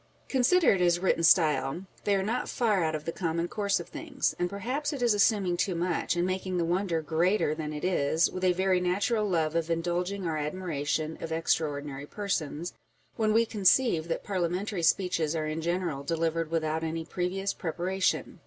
Considered as written style, they are not far out of the common course of things ; and perhaps it is assuming too much, and making the wonder greater than it is, with a very natural love of indulging our admiration of extra ordinary persons, when we conceive that parliamentary speeches are in general delivered without any previous preparation.